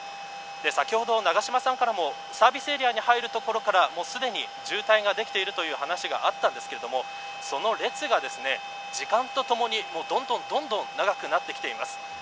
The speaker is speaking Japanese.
先ほど永島さんからもサービスエリアに入る所からすでに渋滞ができているという話があったんですがその列が時間とともにどんどんどんどん長くなってきています。